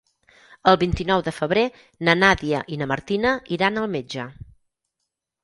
El vint-i-nou de febrer na Nàdia i na Martina iran al metge.